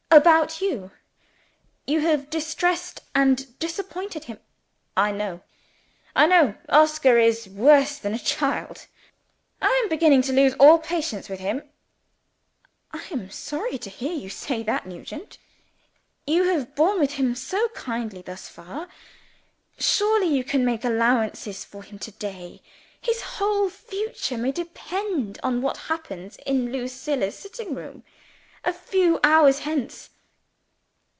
"About you. You have distressed and disappointed him " "I know! I know! Oscar is worse than a child. I am beginning to lose all patience with him." "I am sorry to hear you say that, Nugent. You have borne with him so kindly thus far surely you can make allowances for him to day? His whole future may depend on what happens in Lucilla's sitting room a few hours hence."